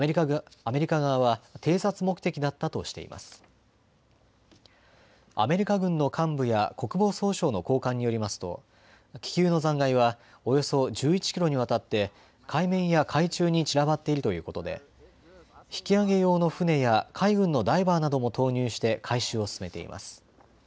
アメリカ軍の幹部や国防総省の高官によりますと、気球の残骸はおよそ１１キロにわたって海面や海中に散らばっているということで引き揚げ用の船や海軍のダイバーなども投入して回収を進めています。